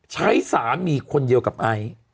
ใช้สามี่คนนี้กับไอ